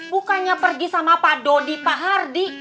bukannya pergi sama pak dodi pak hardi